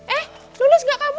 eh lulus gak kamu